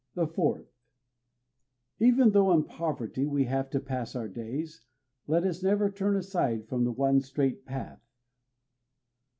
The fourth: Even though in poverty we have to pass our days, Let us never turn aside from the one straight path.